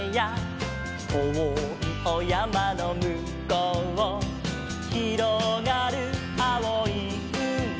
「とおいおやまのむこう」「ひろがるあおいうみ」